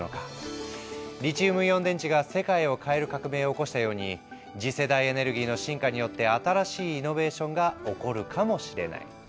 リチウムイオン電池が世界を変える革命を起こしたように次世代エネルギーの進化によって新しいイノベーションが起こるかもしれない。